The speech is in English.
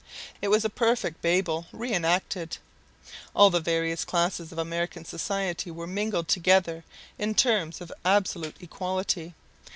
It was a perfect Babel re enacted. All the various classes of American society were mingled together in terms of absolute equality.